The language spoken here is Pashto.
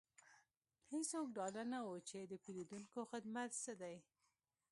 هیڅوک ډاډه نه وو چې د پیرودونکو خدمت څه دی